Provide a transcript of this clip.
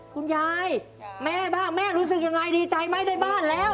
แม่บ้างแม่รู้สึกยังไงดีใจไหมได้บ้านแล้ว